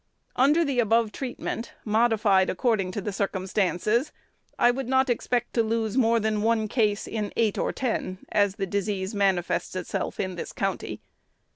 Under the above treatment, modified according to the circumstances, I would not expect to lose more than one case in eight or ten, as the disease manifests itself in this county....